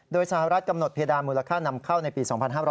โดยสหรัฐกำหนดเพดานมูลค่านำเข้าในปี๒๕๕๙